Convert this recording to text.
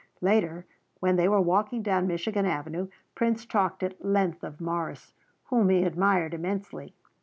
Later, when they were walking down Michigan Avenue, Prince talked at length of Morris, whom he admired immensely.